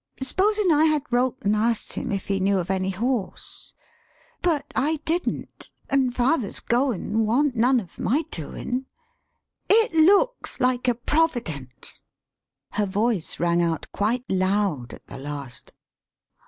"S'posin' I had wrote an' asked him if he knew of any horse? But I didn't, an' father's goin' wa'n't none of my doin'. It looks like a providence." Her voice rang out quite loud at the last.